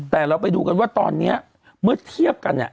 แต่เราไปดูกันว่าตอนนี้เมื่อเทียบกันเนี่ย